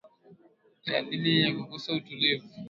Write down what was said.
Dalili za kukosa utulivu